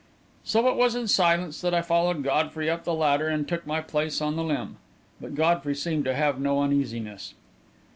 So it was in silence that I followed Godfrey up the ladder and took my place on the limb. But Godfrey seemed to have no uneasiness.